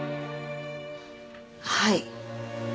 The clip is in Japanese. はい。